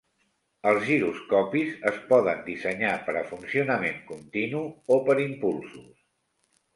Els giroscopis es poden dissenyar per a funcionament continu o per impulsos.